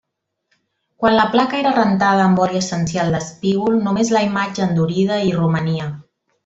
Quan la placa era rentada amb oli essencial d'espígol, només la imatge endurida hi romania.